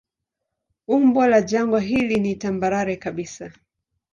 Umbo la jangwa hili ni tambarare kabisa.